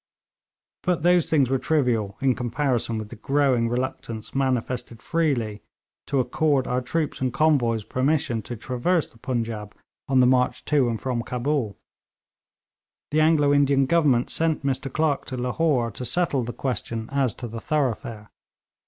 But those things were trivial in comparison with the growing reluctance manifested freely, to accord to our troops and convoys permission to traverse the Punjaub on the march to and from Cabul. The Anglo Indian Government sent Mr Clerk to Lahore to settle the question as to the thoroughfare.